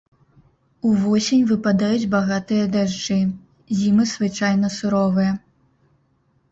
Увосень выпадаюць багатыя дажджы, зімы звычайна суровыя.